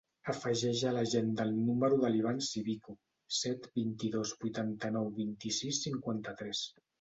Afegeix a l'agenda el número de l'Ivan Civico: set, vint-i-dos, vuitanta-nou, vint-i-sis, cinquanta-tres.